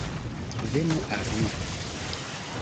Venu al mi!